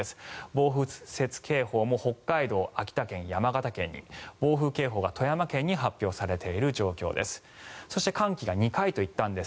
暴風雪警報も北海道、秋田県、山形県に暴風警報が富山県に発表されている状況です。